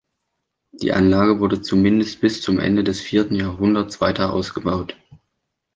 Die Anlage wurde zumindest bis zum Ende des vierten Jahrhunderts weiter ausgebaut.